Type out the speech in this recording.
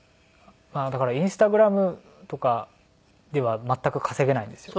だからインスタグラムとかでは全く稼げないんですよ。